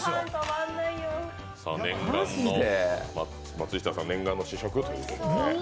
松下さん、念願の試食ということで。